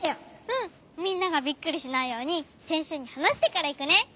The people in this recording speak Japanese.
うんみんながびっくりしないようにせんせいにはなしてからいくね。